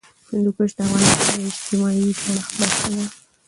هندوکش د افغانستان د اجتماعي جوړښت برخه ده.